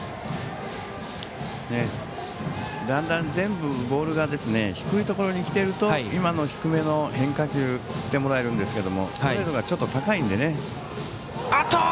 だんだん、全部ボールが低いところにきていると、今の低めの変化球振ってもらえるんですけどストレートがちょっと高いので。